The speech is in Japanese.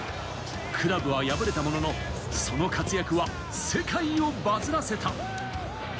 クラブは敗れたものの、その活躍は世界をＢＵＺＺらせた。